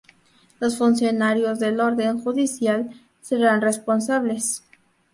Los funcionarios del orden judicial serán responsables.